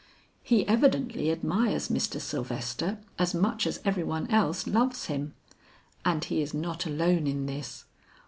He evidently admires Mr. Sylvester as much as every one else loves him. And he is not alone in this.